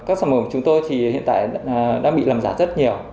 các sản phẩm của chúng tôi thì hiện tại đang bị làm giả rất nhiều